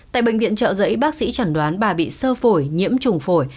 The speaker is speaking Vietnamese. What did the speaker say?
tại bệnh viện trợ giấy bác sĩ chẩn đoán bà bị sơ phổi nhiễm trùng phổi